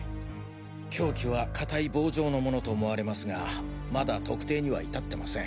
凶器は硬い棒状の物と思われますがまだ特定には至ってません。